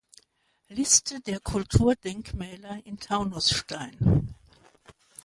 Liste der Kulturdenkmäler in Taunusstein